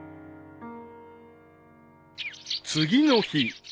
［次の日］